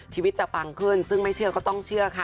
ชีวิตจะปังขึ้นซึ่งไม่เชื่อก็ต้องเชื่อค่ะ